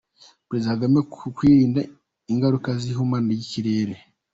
Perezida Kagame ku kwirinda ingaruka z’ihumana ry’ ikirere….